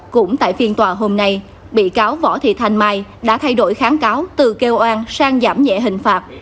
cũng tại phiên tòa hôm nay bị cáo võ thị thanh mai đã thay đổi kháng cáo từ kêu oan sang giảm nhẹ hình phạt